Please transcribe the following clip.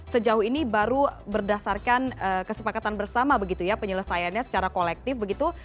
sejauh ini baru berdasarkan kesepakatan bersama begitu ya penyelesaiannya secara kolektif begitu